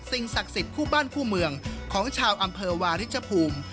ศักดิ์สิทธิ์คู่บ้านคู่เมืองของชาวอำเภอวาริชภูมิ